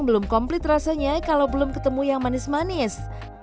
belum komplit rasanya kalau belum ketemu yang manis manis